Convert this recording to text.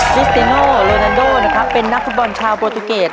พิสดิโนโลนาโดเป็นนักประบอญชาวโปรตูเกจ